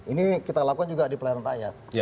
ini kita lakukan juga di pelayanan rakyat